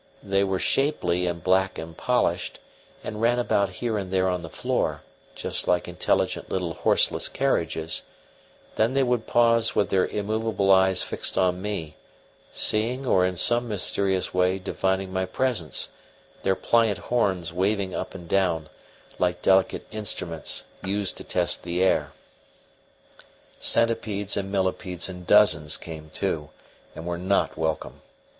They were shapely and black and polished, and ran about here and there on the floor, just like intelligent little horseless carriages; then they would pause with their immovable eyes fixed on me, seeing or in some mysterious way divining my presence; their pliant horns waving up and down, like delicate instruments used to test the air. Centipedes and millipedes in dozens came too, and were not welcome.